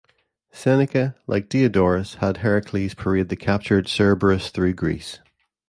Seneca, like Diodorus, has Heracles parade the captured Cerberus through Greece.